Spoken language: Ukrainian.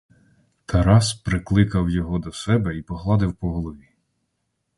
Тарас прикликав його до себе і погладив по голові.